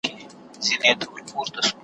لا کړېږې به تر څو له ظلم زوره `